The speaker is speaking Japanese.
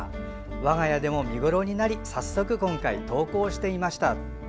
我が家でも見頃になり早速、今回投稿してみました。